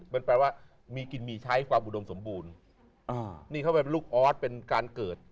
เป็นวัฒนจักรการเกิด